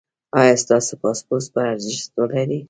ایا ستاسو پاسپورت به ارزښت ولري؟